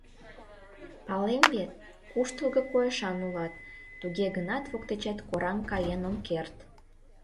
Палем вет, куштылго койышан улат, туге гынат воктечет кораҥ каен ом керт.